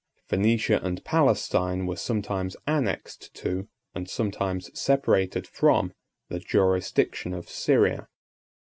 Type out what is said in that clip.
Phœnicia and Palestine were sometimes annexed to, and sometimes separated from, the jurisdiction of Syria.